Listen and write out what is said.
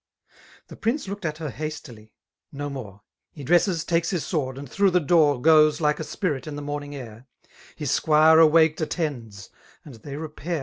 » The prince looked at her hastily ^^^no m<ve; He dresses, takes his sword, and through the door Goes, like a spirit, in the morning air ^^ His squire awaked attends; and they repair.